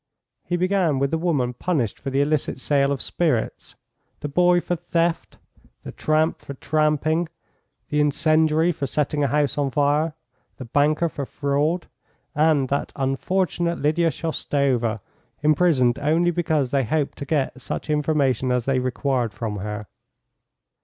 He began with the woman punished for the illicit sale of spirits, the boy for theft, the tramp for tramping, the incendiary for setting a house on fire, the banker for fraud, and that unfortunate Lydia Shoustova imprisoned only because they hoped to get such information as they required from her.